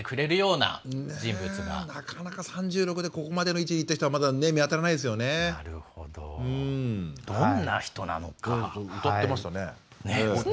なかなか３６歳でここまでの位置にいった人はまだ見当たらないですよね。